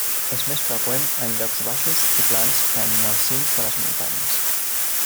És més freqüent en llocs baixos i plans que en els cims de les muntanyes.